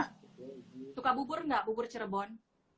suka bubur nggak bubur cirebon